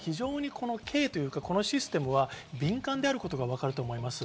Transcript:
このシステムは敏感であることがわかると思います。